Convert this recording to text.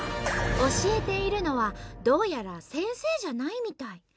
教えているのはどうやら先生じゃないみたい。